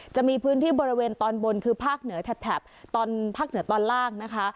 จะมีพื้นที่บริเวณตอนบนคือภาคเหนือแถบตอนภาคเหนือตอนล่างนะคะ